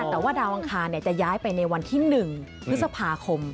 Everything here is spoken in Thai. แต่ว่าดาวอังคารจะย้ายไปในวันที่๑พฤษภาคม